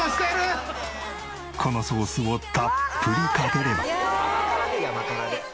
このソースをたっぷりかければ。